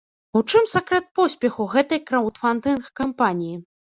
У чым сакрэт поспеху гэтай краўдфандынг-кампаніі?